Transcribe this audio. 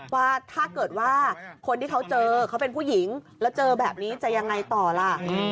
ว่าถ้าเกิดว่าคนที่เขาเจอเขาเป็นผู้หญิงแล้วเจอแบบนี้จะยังไงต่อล่ะ